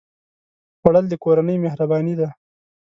خوړل د کورنۍ مهرباني ده